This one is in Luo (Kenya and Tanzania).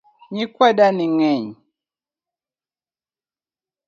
Nyikwa dani ng'eny